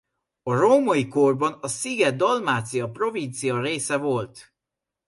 A római korban a sziget Dalmácia provincia része volt.